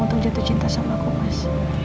untuk jatuh cinta sama aku mas